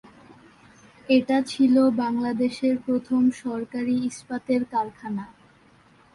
এটি ছিল বাংলাদেশের প্রথম সরকারি ইস্পাতের কারখানা।